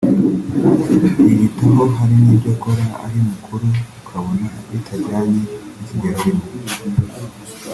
yiyitaho hari n’ibyo akora ari mukuru ukabona bitajyanye n’ikigero arimo